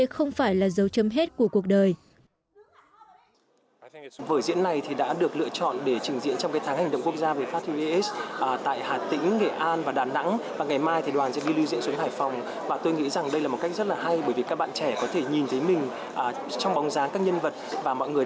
không phải là dấu chấm hết của cuộc đời